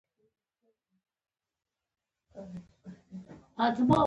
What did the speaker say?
تنور د نارینه وو خواړه تیاروي